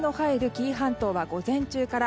紀伊半島は午前中から。